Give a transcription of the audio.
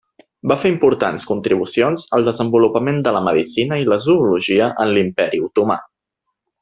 Va fer importants contribucions al desenvolupament de la medicina i la zoologia en l'Imperi Otomà.